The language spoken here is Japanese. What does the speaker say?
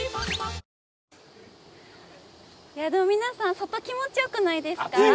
外気持ちよくないですか？